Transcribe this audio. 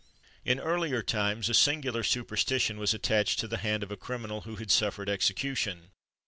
In earlier times, a singular superstition was attached to the hand of a criminal who had suffered execution.